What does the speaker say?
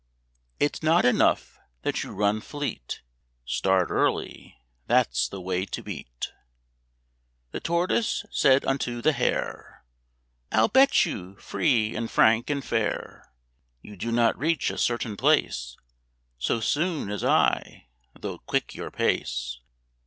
It's not enough that you run fleet; Start early, that's the way to beat. The Tortoise said unto the Hare, "I'll bet you, free, and frank, and fair, You do not reach a certain place So soon as I, though quick your pace."